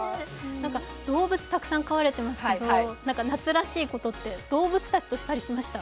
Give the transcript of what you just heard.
動物、たくさん飼われてますけど夏らしいことって動物たちとしました？